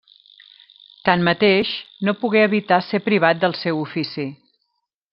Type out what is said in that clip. Tanmateix, no pogué evitar ser privat del seu ofici.